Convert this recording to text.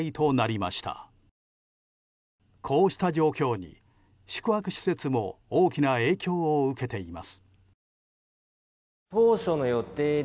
こうした状況に、宿泊施設も大きな影響を受けています。